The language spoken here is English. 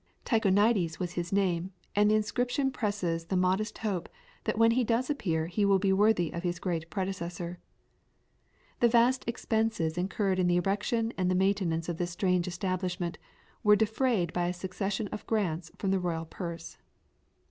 Tychonides was his name, and the inscription presses the modest hope that when he does appear he will be worthy of his great predecessor. The vast expenses incurred in the erection and the maintenance of this strange establishment were defrayed by a succession of grants from the royal purse.